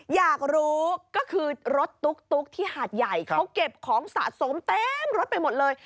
อยากรู้ก็คือรถตุ๊กที่หาดใหญ่เขาเก็บของสะสมเต็มรถไปหมดเลย